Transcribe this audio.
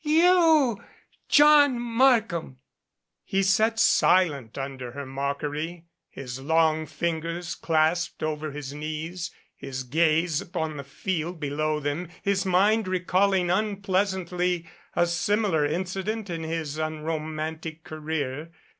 You John Markham !" He sat silent under her mockery, his long fingers clasped over his knees, his gaze upon the field below them, his mind recalling unpleasantly a similar incident in his unromantic career.